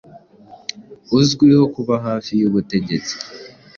uzwiho kuba hafi y'ubutegetsi,